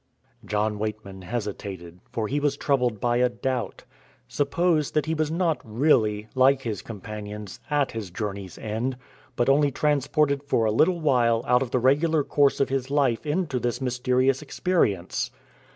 John Weightman hesitated, for he was troubled by a doubt. Suppose that he was not really, like his companions, at his journey's end, but only transported for a little while out of the regular course of his life into this mysterious experience?